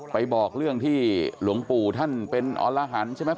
ไปบอกเรื่องที่หลวงปู่ท่านเป็นอรหันต์ใช่ไหม